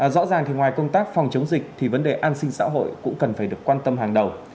rõ ràng thì ngoài công tác phòng chống dịch thì vấn đề an sinh xã hội cũng cần phải được quan tâm hàng đầu